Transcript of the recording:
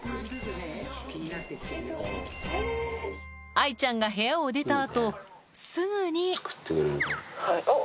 ⁉愛ちゃんが部屋を出た後すぐにあっ。